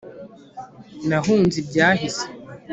nahunze ibyahise